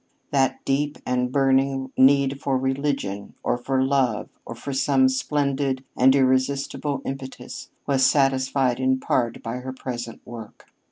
That deep and burning need for religion, or for love, or for some splendid and irresistible impetus, was satisfied in part by her present work.